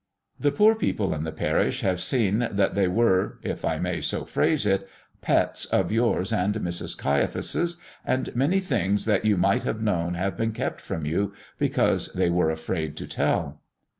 The poor people in the parish have seen that they were if I may so phrase it pets of yours and of Mrs. Caiaphas's, and many things that you might have known have been kept from you because they were afraid to tell."